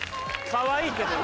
かわいいけどね。